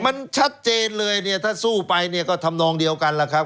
มันชัดเจนเลยถ้าสู้ไปก็ทำนองเดียวกันแล้วครับ